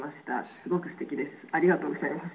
すごくすてきです。